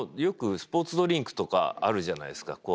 よくスポーツドリンクとかあるじゃないですか。